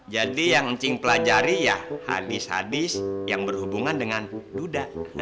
jadi yang ncing pelajari ya hadis hadis yang berhubungan dengan duda